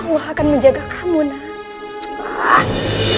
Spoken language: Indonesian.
allah akan menjaga kamu nak